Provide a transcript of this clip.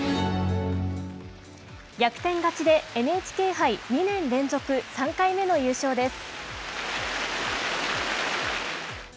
逆転勝ちでＮＨＫ杯２年連続３回目の優勝です。